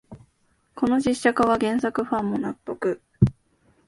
この実写化は原作ファンも納得